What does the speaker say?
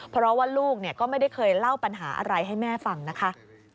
เพราะว่าลูกก็ไม่ได้เคยเล่าปัญหาอะไรให้แม่ฟังนะคะ